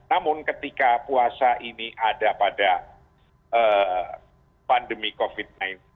namun ketika puasa ini ada pada pandemi covid sembilan belas